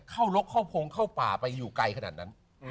ลกเข้าโพงเข้าป่าไปอยู่ไกลขนาดนั้น